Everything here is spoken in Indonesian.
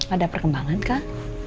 ada perkembangan kah